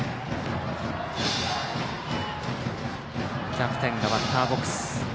キャプテンがバッターボックス。